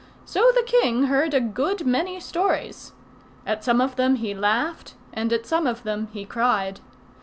So the king heard a good many stories. At some of them he laughed, and at some of them he cried.